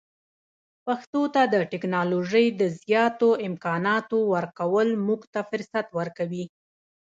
پښتو ته د ټکنالوژۍ د زیاتو امکاناتو ورکول موږ ته فرصت ورکوي.